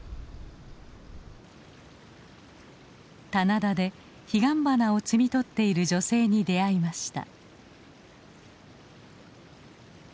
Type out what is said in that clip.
棚田でヒガンバナを摘み取っている女性に出会いました。